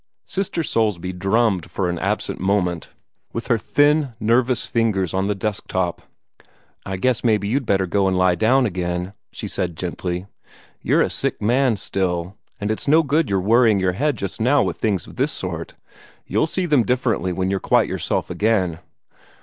Sister Soulsby drummed for an absent moment with her thin, nervous fingers on the desk top. "I guess maybe you'd better go and lie down again," she said gently. "You're a sick man, still, and it's no good your worrying your head just now with things of this sort. You'll see them differently when you're quite yourself again."